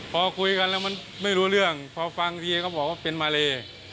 พอคุยกันแล้วมันไม่รู้เรื่องพอฟังทีก็บอกว่าเป็นมาเล